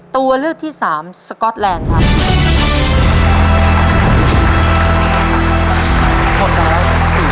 ตัวเลือกที่สามสก๊อตแลนด์ครับ